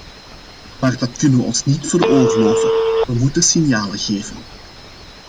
Maar dat kunnen we ons niet veroorloven, we moeten signalen geven.